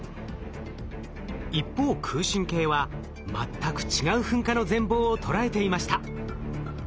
一方空振計は全く違う噴火の全貌を捉えていました。